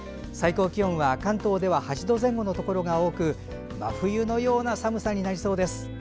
最高気温は関東では８度前後のところが多く真冬のような寒さになりそうです。